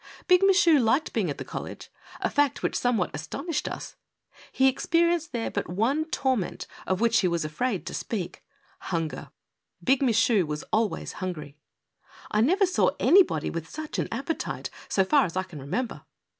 Big Michu liked being at the college, a fact which somewhat astonished us. He experienced there but one torment of which he was afraid to speak : hunger. Big Michu was always hungry. I never saw anybody with such an appetite, so far as I can remember.